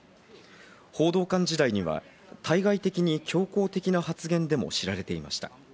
報道官時代には対外的に強硬的な発言でも知られていました。